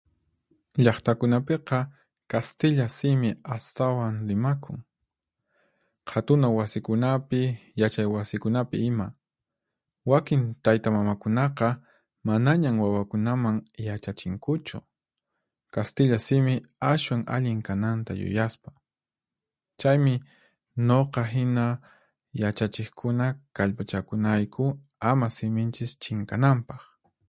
Llaqtakunapiqa kastilla simi astawan rimakun, qhatuna wasikunapi, yachay wasikunapi ima. Wakin taytamamakunaqa manañan wawakunaman yachachinkuchu, kastilla simi ashwan allin kananta yuyaspa. Chaymi nuqa hina yachachiqkuna kallpachakunayku ama siminchis chinkananpaq.